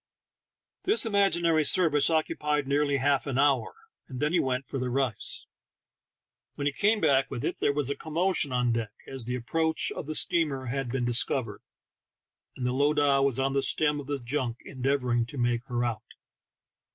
This imaginary service occupied nearly half an hour, and then he went for the rice; when he came back with it there was a commotion on deck, as the approach of the steamer had been discovered, and the lowdahwas on the stern of the junk endeavor ing to make her out.